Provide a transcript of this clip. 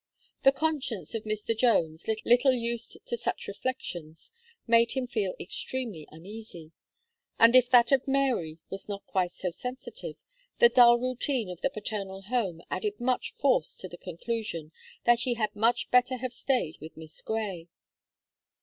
The conscience of Mr. Jones, little used to such reflections, made him feel extremely uneasy; and if that of Mary was not quite so sensitive, the dull routine of the paternal home added much force to the conclusion "that she had much better have stayed with Miss Gray."